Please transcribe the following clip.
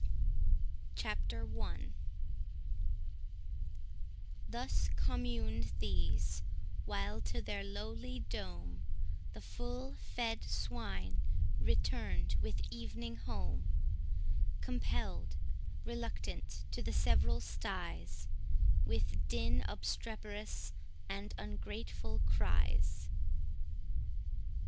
CHAPTER I Thus communed these; while to their lowly dome, The full fed swine return'd with evening home; Compell'd, reluctant, to the several sties, With din obstreperous, and ungrateful cries.